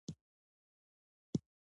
باسواده ښځې په ټولنه کې فعال رول لوبوي.